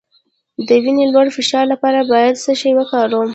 د وینې د لوړ فشار لپاره باید څه شی وکاروم؟